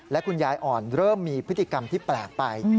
และคุณยายอ่อนเริ่มมีพฤติกรรมที่แปลกไป